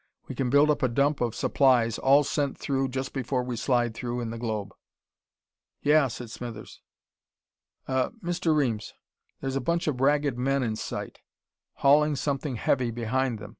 We can built up a dump of supplies, all sent through just before we slide through in the globe." "Yeah," said Smithers. "Uh Mr. Reames. There's a bunch of Ragged Men in sight, hauling something heavy behind them.